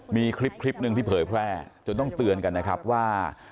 มีคลิปหนึ่งที่เผยแพร่จนต้องเตือนกันนะครับว่า